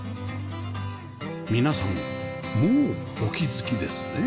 皆さんもうお気づきですね？